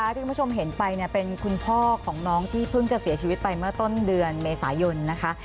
ที่คุณผู้ชมเห็นไปเป็นคุณพ่อของน้องที่เพิ่งจะเสียชีวิตไปเมื่อต้นเดือนเมษายนนะคะ